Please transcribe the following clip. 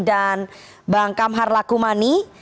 dan bang kamhar lakumani